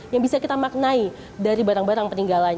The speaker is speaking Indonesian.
yang bisa kita maknai dari barang barang peninggalan